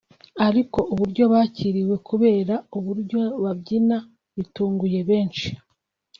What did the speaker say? ariko uburyo bakiriwe kubera uburyo babyina bitunguye benshi